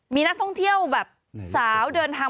มีนักท่องเที่ยวแบบสาวเดินทาง